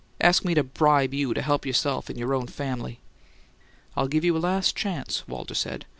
Ask me to BRIBE you to help yourself and your own family!" "I'll give you a last chance," Walter said.